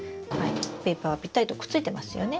ペーパーはぴったりとくっついてますよね？